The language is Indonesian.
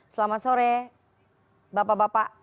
selamat sore bapak bapak